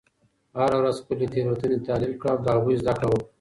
هره ورځ خپلې تیروتنې تحلیل کړه او له هغوی زده کړه وکړه.